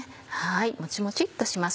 モチモチっとします